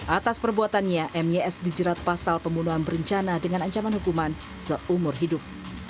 atas perbuatannya mys dijerat pasal pembunuhan berencana dengan ancaman hukuman seumur hidup